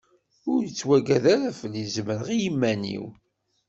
Ur yettwaggad ara fell-i, zemreɣ i yiman-iw.